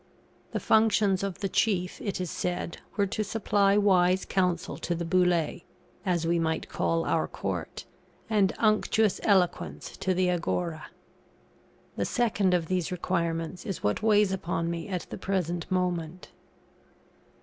The functions of the chief, it is said, were to supply wise counsel to the Boulè (as we might call our Court), and unctuous eloquence to the Agora. The second of these requirements is what weighs upon me at the present moment.